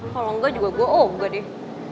kalo engga juga gue oh engga deh